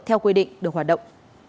theo quy định được hoạt động